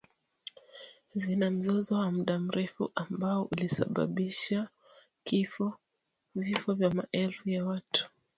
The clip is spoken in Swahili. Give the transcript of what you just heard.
Zina mzozo wa muda mrefu ambao ulisababishwa vifo vya maelfu ya watu.